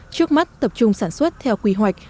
trước mắt tập trung sản xuất theo quy hoạch